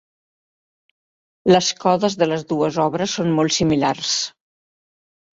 Les codes de les dues obres són molt similars.